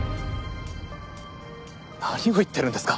何を言ってるんですか。